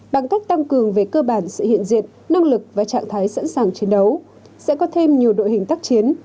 bằng cách tăng cường về cơ bản sự hiện diện năng lực và trạng thái sẵn sàng chiến đấu sẽ có thêm nhiều đội hình tác chiến